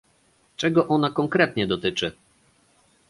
Czego ona konkretnie dotyczy?